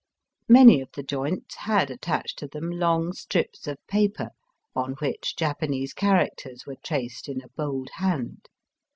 Many of the joints had attached to them long strips of paper, on which Japanese characters were traced in a bold hand.